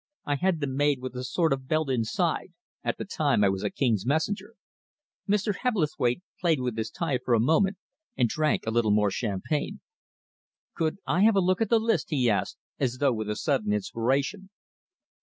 "I had them made with a sort of belt inside, at the time I was a king's messenger." Mr. Hebblethwaite played with his tie for a moment and drank a little more champagne. "Could I have a look at the list?" he asked, as though with a sudden inspiration.